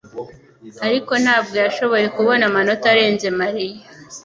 ariko ntabwo yashoboye kubona amanota arenze Mariya